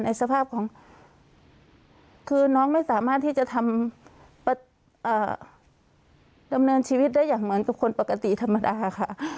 สภาพของคือน้องไม่สามารถที่จะทำดำเนินชีวิตได้อย่างเหมือนกับคนปกติธรรมดาค่ะ